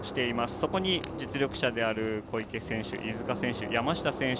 そこに実力者である小池選手飯塚選手、山下選手